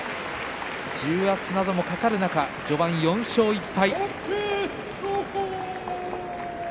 重圧のかかる中、序盤４勝１敗。